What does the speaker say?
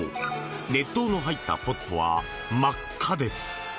熱湯の入ったポットは真っ赤です。